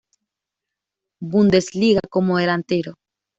Bundesliga como delantero.